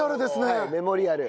はいメモリアル。